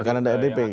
akan ada rdp